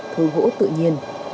thừa gỗ tự nhiên